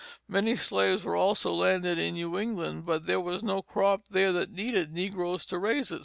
Many slaves were also landed in New England, but there was no crop there that needed negroes to raise it.